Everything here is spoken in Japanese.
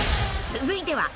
［続いては。